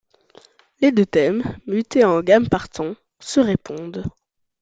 Les deux thèmes, mutés en gamme par tons, se répondent.